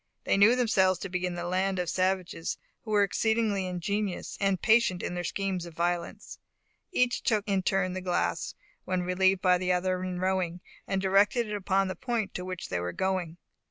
They knew themselves to be in the land of savages, who were exceedingly ingenious and patient in their schemes of violence. Each took in turn the glass, when relieved by the other in rowing, and directed it upon the point to which they were going.